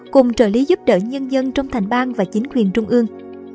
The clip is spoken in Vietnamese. cùng trợ lý giúp đỡ nhân dân trong thành bang và chính quyền trung ương